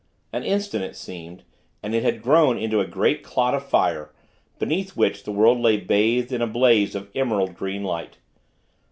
An instant, it seemed, and it had grown into a great clot of fire; beneath which, the world lay bathed in a blaze of emerald green light.